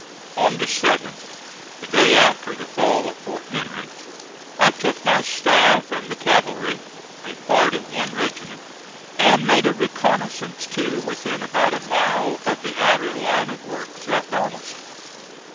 On the 7th, the day after the fall of Fort Henry, I took my staff and the cavalry a part of one regiment and made a reconnoissance to within about a mile of the outer line of works at Donelson.